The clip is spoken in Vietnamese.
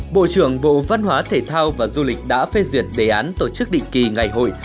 bộ trưởng bộ văn hóa thể thao và du lịch đã phê duyệt đề án tổ chức định kỳ ngày hội